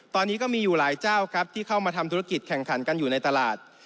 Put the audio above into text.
ตอนนี้ก็มีอยู่หลายเจ้าครับที่เข้ามาทำธุรกิจแข่งขันกันอยู่ในตลาด